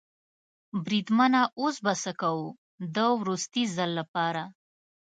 بریدمنه اوس به څه کوو؟ د وروستي ځل لپاره.